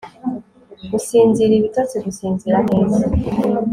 gusinzira ibitotsi, gusinzira neza